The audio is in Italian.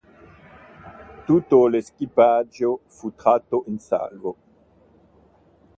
Tutto l'equipaggio fu tratto in salvo.